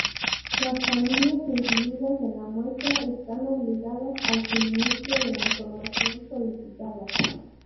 Las familias incluidas en la muestra están obligadas al suministro de la información solicitada.